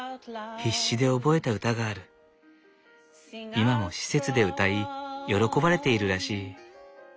今も施設で歌い喜ばれているらしい。